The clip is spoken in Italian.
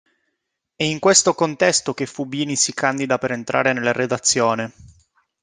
È in questo contesto che Fubini si candida per entrare nella redazione.